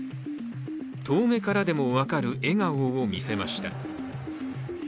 遠目からでも分かる笑顔を見せました。